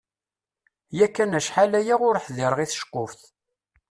Yakan acḥal-aya ur ḥdireɣ i tceqquft.